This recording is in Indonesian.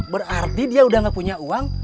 berarti dia udah gak punya uang